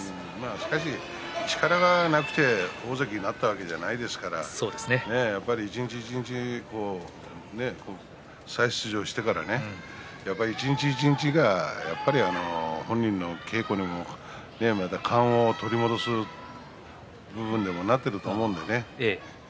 しかし、力がなくて大関になったわけではないですから、一日一日再出場してからね一日一日が本人が勘を取り戻す部分にもなっていると思うんでね。